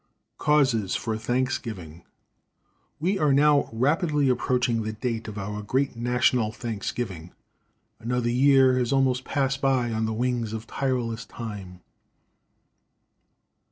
Causes for Thanksgiving. We are now rapidly approaching the date of our great national thanksgiving. Another year has almost passed by on the wings of tireless time.